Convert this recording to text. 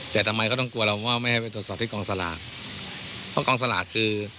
แต่ทำไมก็ต้องกลัวเราว่าไม่ให้ไปตรวจสอบที่กองสลากเพราะกองสลากคือ